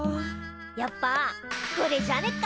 やっぱこれじゃねっか？